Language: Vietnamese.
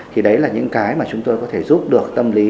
thì đấy là những cái mà chúng tôi có thể giúp được tâm lý